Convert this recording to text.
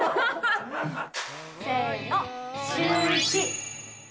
せーの、シューイチ！